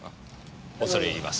恐れ入ります。